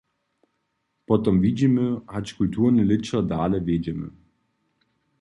Potom widźimy, hač kulturne lěćo dale wjedźemy.